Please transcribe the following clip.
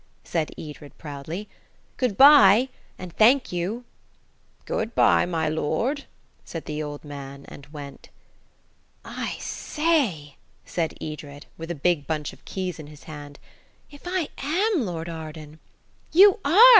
said Edred proudly. "Goodbye, and thank you." "Goodbye, my lord," said the old man, and went. "I say," said Edred, with the big bunch of keys in his hand,–"if I am Lord Arden!" "You are!